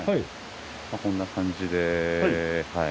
こんな感じではい。